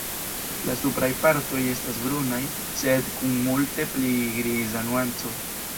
La supraj partoj estas brunaj sed kun multe pli griza nuanco.